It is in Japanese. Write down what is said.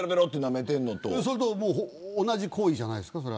同じ行為じゃないですか。